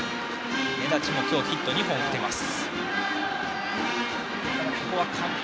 根立も今日ヒット２本打っています。